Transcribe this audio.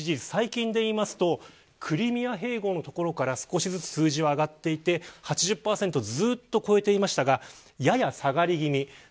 最近でいうとクリミア併合のところから少しずつ数字は上がっていて８０％をずっと超えていましたがやや下がり気味。